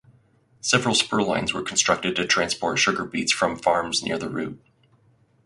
Several spur lines were constructed to transport sugar beets from farms near the route.